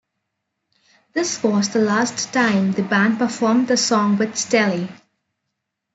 This was the last time the band performed the song with Staley.